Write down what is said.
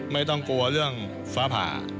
ไม่ต้องกลัวเรื่องฟ้าผ่า